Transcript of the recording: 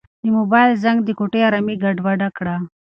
د موبایل زنګ د کوټې ارامي ګډوډه کړه.